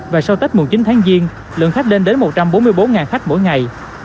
và sau tết chín tháng giêng lượng khách lên đến một trăm bốn mươi bốn khách mỗi ngày